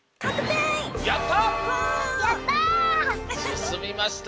すすみました。